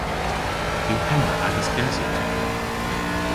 Yw henna agas gesya?